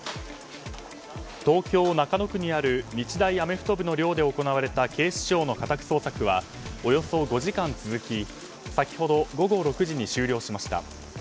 東京・中野区にある日大アメフト部の寮で行われた警視庁の家宅捜索はおよそ５時間続き先ほど午後６時に終了しました。